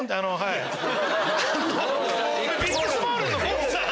ビックスモールンのゴンさん。